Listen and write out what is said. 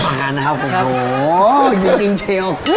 อาหารนะครับโหยืนกินเชลล์